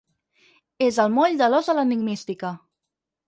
És el moll de l'os de l'enigmística.